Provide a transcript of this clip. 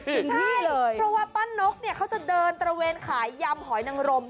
ใช่เพราะว่าป้านนกเขาจะเดินตระเวนขายยำหอยนังรม